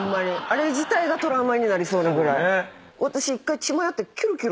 あれ自体がトラウマになりそうなぐらい。